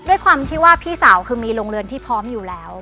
ด้วยความที่ว่าพี่สาวคือมีโรงเรือนที่พร้อมอยู่แล้ว